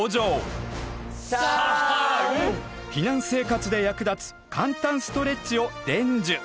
避難生活で役立つ簡単ストレッチを伝授。